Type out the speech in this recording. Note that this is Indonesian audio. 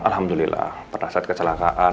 alhamdulillah pernah saat kecelakaan